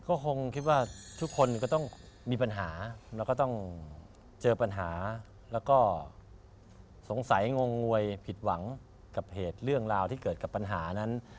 ก็คงคิดว่าทุกคนก็ต้องมีปัญหาแล้วก็ต้องเจอปัญหาแล้วก็สงสัยงงวยผิดหวังกับเหตุเรื่องราวที่เกิดกับปัญหานั้น